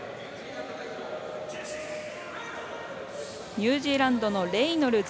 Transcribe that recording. ニュージーランドのレイノルズ。